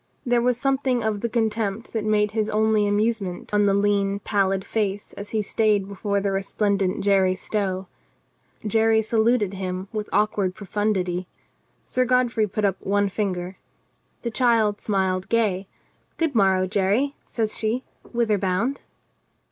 There was something of the contempt that made his only amusement on the lean pallid face as he stayed before the re splendent Jerry Stow. Jerry saluted him with awk ward profundity. Sir Godfrey put up one finger. The child smiled gay: "Good morrow, Jerry," says she. "Whither bound?"